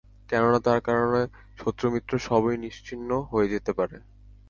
কেননা, তার কারনে শত্রু-মিত্র সবাই নিশ্চিহ্ন হয়ে যেতে পারে।